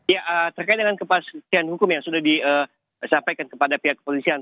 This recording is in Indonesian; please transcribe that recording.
ya terkait dengan kepastian hukum yang sudah disampaikan kepada pihak kepolisian